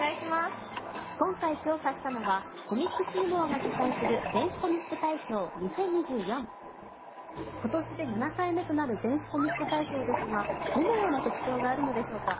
今回調査したのはコミックシーモアが主催する「電子コミック大賞２０２４」今年で７回目となる「電子コミック大賞」ですがどのような特徴があるのでしょうか？